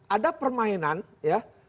ada permainan ya